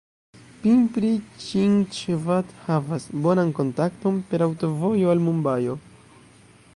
Pimpri-Ĉinĉvad havas bonan kontakton per aŭtovojo al Mumbajo.